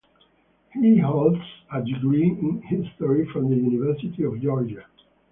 He holds a degree in history from the University of Georgia.